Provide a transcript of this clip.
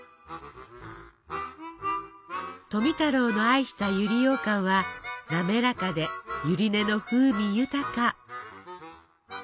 富太郎の愛した百合ようかんはなめらかでゆり根の風味豊か。